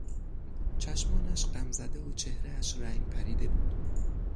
چشمانش غمزده و چهرهاش رنگ پریده بود.